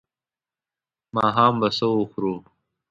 ماښام به څه وخورو؟